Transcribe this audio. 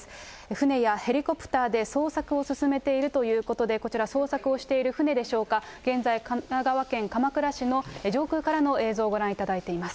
船やヘリコプターで捜索を進めているということで、こちら、捜索をしている船でしょうか、現在、神奈川県鎌倉市の上空からの映像ご覧いただいています。